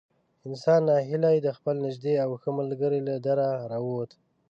انسان نا هیلی د خپل نږدې او ښه ملګري له دره را ووت.